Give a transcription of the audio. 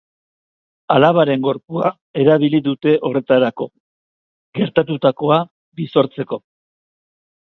Alabaren gorpua erabili dute horretarako, gertatutakoa birsortzeko.